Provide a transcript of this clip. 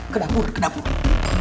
ke dapur ke dapur